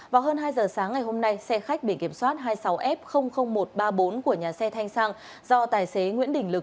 vào hơn hai giờ sáng ngày hôm nay xe khách biển kiểm soát hai mươi sáu f một trăm ba mươi bốn của nhà xe thanh sang do tài xế nguyễn đình lực